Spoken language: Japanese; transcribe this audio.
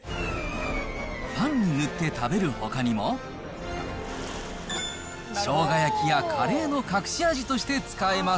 パンに塗って食べるほかにも、しょうが焼きやカレーの隠し味として使えます。